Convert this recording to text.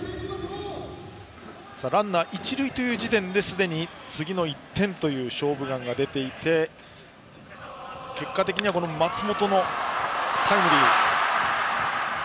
ランナー、一塁という時点ですでに次の１点という「勝負眼」が出ていて結果的には松本のタイムリー。